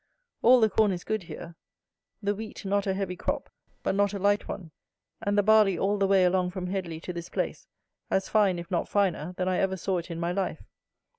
All the corn is good here. The wheat not a heavy crop; but not a light one; and the barley all the way along from Headley to this place as fine, if not finer, than I ever saw it in my life.